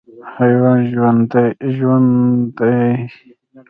حیوان ژوند دی.